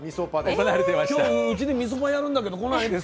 今日うちでみそパやるんだけど来ない？って